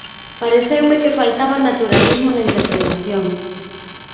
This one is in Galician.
Pareceume que faltaba naturalismo na interpretación.